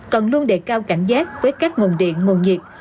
cần luôn đề cao cảnh giác với các nguồn điện nguồn nhiệt